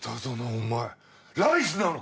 お前ライスなのか？